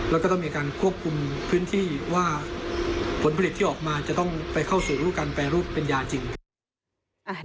แล้วก็ต้องมีการควบคุมพื้นที่ว่าผลผลิตที่ออกมาจะต้องไปเข้าสู่รูปการแปรรูปเป็นยาจริง